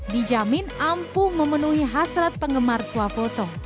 dijamin ampuh memenuhi hasrat penggemar swafoto